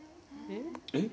えっ？